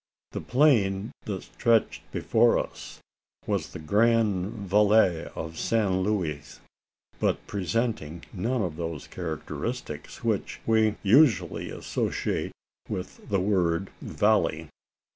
The plain that stretched before us was the grand valle of San Luis; but presenting none of those characteristics which we usually associate with the word "valley."